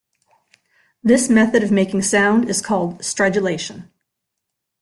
This method of making sound is called stridulation.